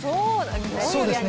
そうですね。